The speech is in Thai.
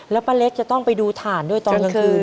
แล้วป้าเล็กจะต้องไปดูฐานด้วยตอนกลางคืน